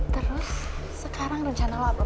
terus sekarang rencana lo apa pak